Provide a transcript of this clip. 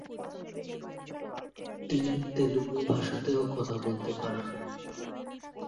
তিনি তেলুগু ভাষাতেও কথা বলতে পারেন।